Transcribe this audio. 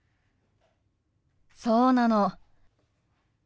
そうなの。